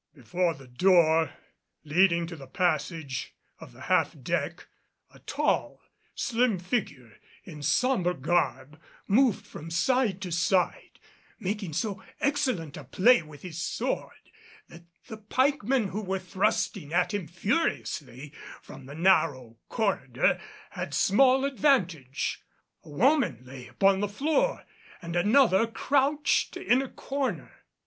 Before the door leading to the passage of the half deck a tall, slim figure in sombre garb moved from side to side, making so excellent a play with his sword, that the pikemen who were thrusting at him furiously from the narrow corridor had small advantage. A woman lay upon the floor and another crouched in the corner.